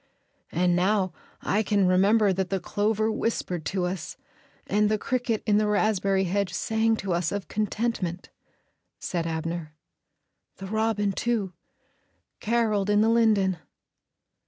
"And now I can remember that the clover whispered to us, and the cricket in the raspberry hedge sang to us of contentment," said Abner. "The robin, too, carolled in the linden."